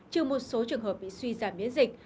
trừ một số trường hợp bị suy giảm miễn dịch